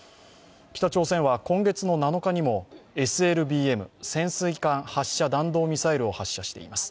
北朝鮮は今月７日にもＳＬＢＭ＝潜水艦発射弾道ミサイルを発射しています。